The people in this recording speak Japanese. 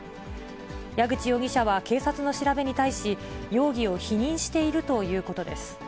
矢口容疑者は警察の調べに対し、容疑を否認しているということです。